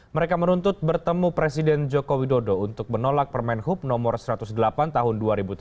mereka menuntut bertemu presiden joko widodo untuk menolak permen hub no satu ratus delapan tahun dua ribu tujuh belas